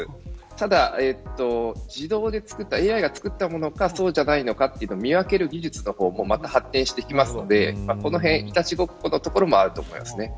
ただ、ＡＩが作ったものかそうじゃないかというのを見分ける技術がまた発展していきますのでその辺いたちごっこのところもあると思います。